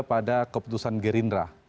pada keputusan gerindra